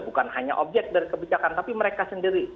bukan hanya objek dari kebijakan tapi mereka sendiri